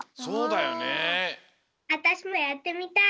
わたしもやってみたい！